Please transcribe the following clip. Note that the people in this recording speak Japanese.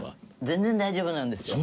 全然大丈夫なんですよ。